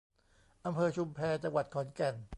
อำเภอชุมแพ จังหวัดขอนแก่น